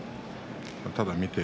ただ見て。